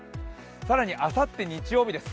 更にあさって日曜日です。